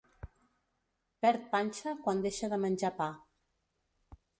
Perd panxa quan deixa de menjar pa.